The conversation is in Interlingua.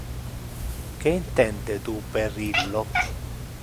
Que intende tu per illo?